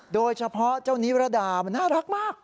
โดยเฉพาะเจ้านิรดามันน่ารักมาก